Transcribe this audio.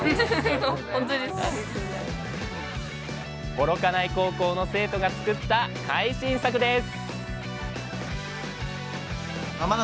幌加内高校の生徒が作った会心作です